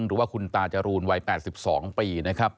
หรือว่าคุณตาจรูนวัย๘๒ปีนะครับ